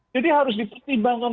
jadi harus dipertimbangkan